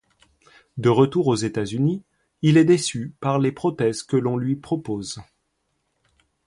De retour aux États-Unis, il est déçu par les prothèses que l'on lui propose.